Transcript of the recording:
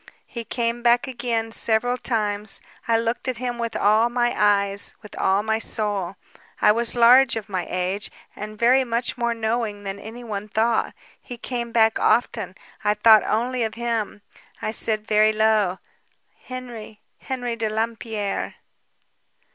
"He came back again ... several times ... I looked at him with all my eyes, with all my soul ... I was large of my age ... and very much more knowing than anyone thought. He came back often ... I thought only of him. I said, very low: "'Henry ... Henry de Lampierre!'